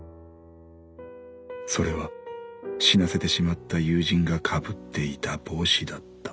それは死なせてしまった友人が被っていた帽子だった。